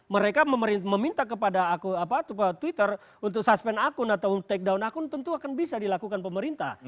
mereka meminta kepada twitter untuk suspend akun atau take down akun tentu akan bisa dilakukan pemerintah